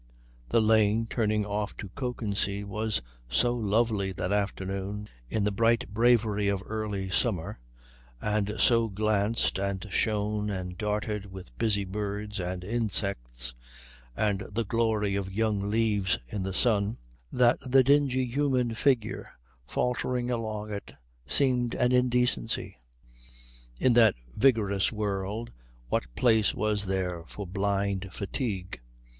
The lane turning off to Kökensee was so lovely that afternoon in the bright bravery of early summer, and so glanced and shone and darted with busy birds and insects and the glory of young leaves in the sun, that the dingy human figure faltering along it seemed an indecency. In that vigorous world what place was there for blind fatigue?